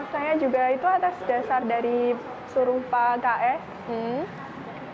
saya juga itu atas dasar dari suruh pak ks